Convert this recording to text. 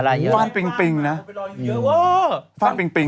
ฟ่านปิงปิงนะฟ่านปิงปิง